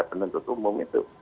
penentut umum itu